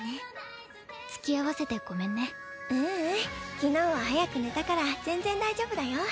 昨日は早く寝たから全然大丈夫だよ。